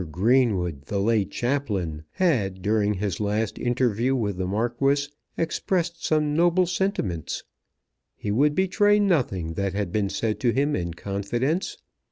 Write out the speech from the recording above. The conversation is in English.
Greenwood, the late chaplain, had, during his last interview with the Marquis, expressed some noble sentiments. He would betray nothing that had been said to him in confidence.